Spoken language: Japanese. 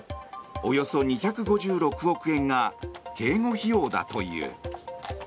およそ２５６億円が警護費用だという。